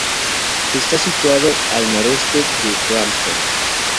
Está situado al noroeste de Brampton.